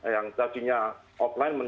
yang tadinya yang sudah diperlukan